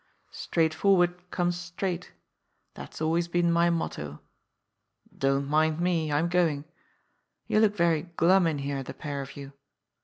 Straightforward comes straight. That's always been my motto. Don't mind me. I'm going. You look very glum in here, the pair of you.